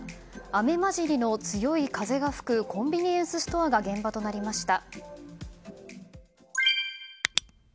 雨交じりの強い風が吹くコンビニエンスストアが現場となりました。